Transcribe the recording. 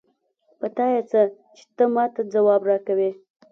په تا يې څه؛ چې ته ما ته ځواب راکوې.